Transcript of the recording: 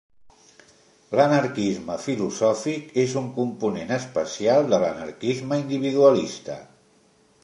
L'anarquisme filosòfic és un component especial de l'anarquisme individualista.